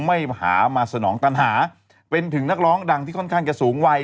มหามาสนองตันหาเป็นถึงนักร้องดังที่ค่อนข้างจะสูงวัย